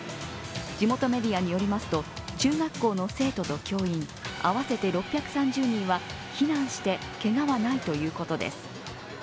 地元メディアによりますと、中学校の生徒と教員合わせて６３０人は避難して、けがはないということです。